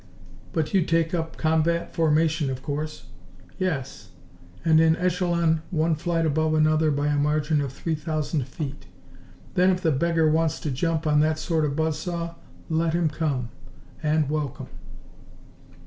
"But you'd take up combat formation, of course?" "Yes, and in echelon, one flight above another by a margin of three thousand feet. Then, if the beggar wants to jump on that sort of buzz saw, let him come and welcome."